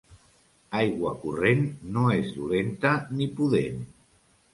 Aigua corrent no és dolenta ni pudent.